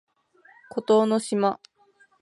孤島の島